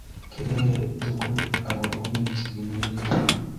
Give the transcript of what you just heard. Kikiririe tugul akopo bik che kimeiyo